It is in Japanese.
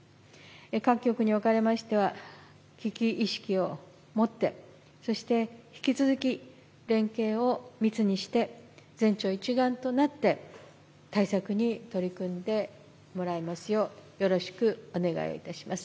各局におかれましては、危機意識を持って、そして引き続き、連携を密にして、全庁一丸となって、対策に取り組んでもらいますよう、よろしくお願いいたします。